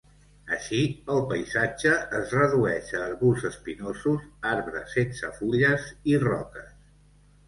Així, el paisatge es redueix a arbusts espinosos, arbres sense fulles i roques.